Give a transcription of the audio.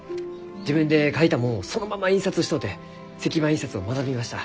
自分で描いたもんをそのまま印刷しとうて石版印刷を学びました。